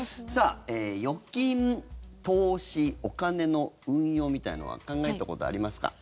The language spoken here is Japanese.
預金、投資お金の運用みたいなのは考えたことありますか？